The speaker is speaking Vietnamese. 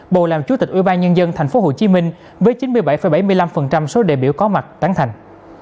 bầu làm chủ tịch ủy ban nhân dân tp hcm với chín mươi bảy bảy mươi năm số đề biểu có mặt tán thành